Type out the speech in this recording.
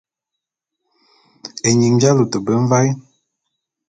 Ényin j'alôte be mvaé.